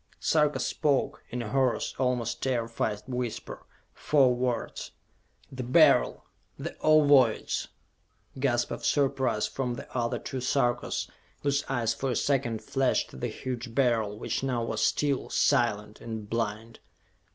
Sarka spoke, in a hoarse, almost terrified whisper, four words: "The Beryl! The Ovoids!" Gasps of surprise from the other two Sarkas, whose eyes for a second flashed to the huge Beryl, which now was still, silent and blind.